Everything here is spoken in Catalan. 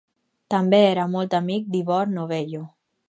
També era molt amic d'Ivor Novello.